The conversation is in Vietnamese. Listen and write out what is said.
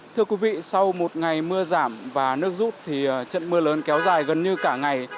thưa quý vị sau một ngày mưa giảm và nước rút trận mưa lớn kéo dài gần như cả ngày